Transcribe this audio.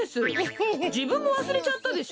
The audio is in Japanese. じぶんもわすれちゃったでしょ？